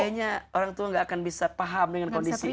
kayaknya orang tua gak akan bisa paham dengan kondisi ini